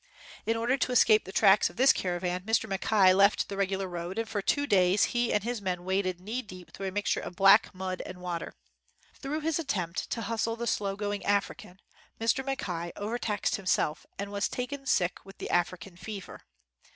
In order to escape the tracks of this caravan, Mr. Mackay left the regular road and for two days he and his men waded knee deep through a mixture of black mud and water. Through his attempt to hustle the slow going African, Mr. Mackay overtaxed him self and was taken sick with the African fever.